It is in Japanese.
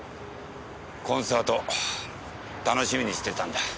コンサート楽しみにしていたんだ。